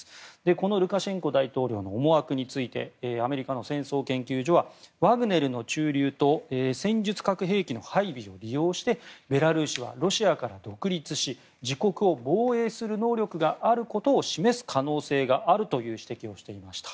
このルカシェンコ大統領の思惑についてアメリカの戦争研究所はワグネルの駐留と戦術核兵器の配備を利用してベラルーシはロシアから独立し自国を防衛する能力があることを示す可能性があるという指摘をしていました。